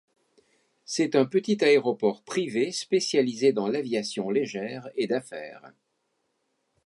C'est un petit aéroport privé spécialisé dans l'aviation légère et d'affaires.